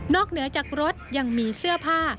เหนือจากรถยังมีเสื้อผ้า